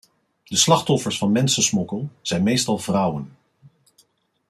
De slachtoffers van mensensmokkel zijn meestal vrouwen.